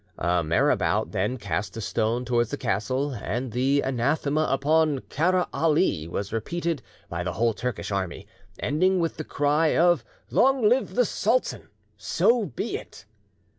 A Marabout then cast a stone towards the castle, and the anathema upon "Kara Ali" was repeated by the whole Turkish army, ending with the cry of "Long live the sultan! So be it!"